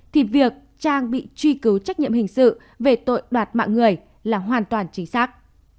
thì việc trang bị truy cứu trách nhiệm hình sự về tội đoạt mạng người là hoàn toàn chính xác